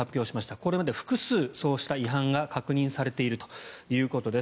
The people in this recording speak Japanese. これまで複数そうした違反が確認されているということです。